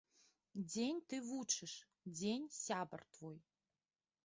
Дзень ты вучыш, дзень сябар твой.